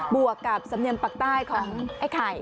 วกกับสำเนียงปักใต้ของไอ้ไข่